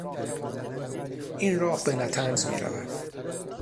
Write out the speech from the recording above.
این راه به نطنز میرود.